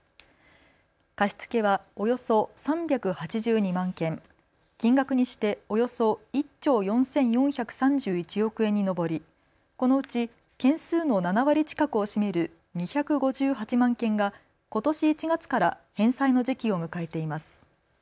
貸し付けはおよそ３８２万件、金額にしておよそ１兆４４３１億円に上り、このうち件数の７割近くを占める２５８万件がことし１月から返済の時期を迎えています。